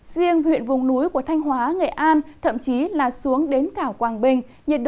riêng huyện vùng núi của thanh hóa nghệ an thậm chí là xuống đến cả quảng bình